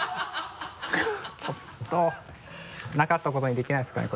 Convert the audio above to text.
ちょっとなかったことにできないですかね？